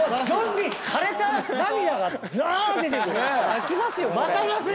泣きますよこれ。